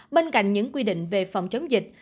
bên cạnh những quy định về phòng chống dịch